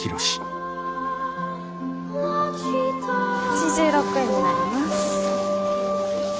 ８６円になります。